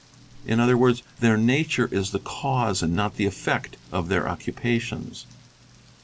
¢., their nature is the cause and not the effect of their occupations.